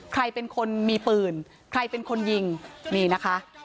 ใครเป็นคนมีปืนใครเป็นคนยิงนี่นะคะ